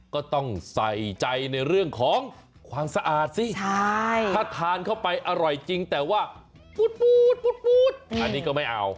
ก็ต้องใส่ใจในเรื่องของความสะอาดสิถ้าทานเข้าไปอร่อยจริงแต่ว่าปูดอันนี้ก็ไม่เอา